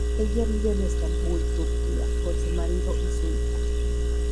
Ella vive en Estambul, Turquía con su marido y su hijo.